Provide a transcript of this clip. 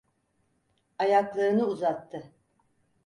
Ayaklarını uzattı.